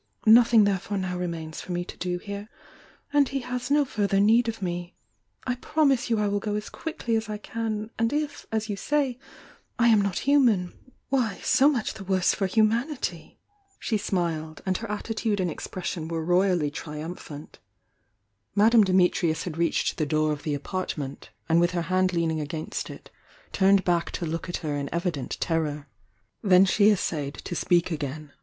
Nothing therefore now remains for me to do here, and he has no further need of me. I promise you I will go as quickly as I can! — and if, as you say, I am not human, why so much the worse for humanity!" She smiled, and her attitude and expression were royally triumphant. Madame Dimiliius had reached 316 THE YOUNG DIANA the door of the apartment, and with her hand lean ing against it turned back to look at her in evident terror. Then she essayed to speak again.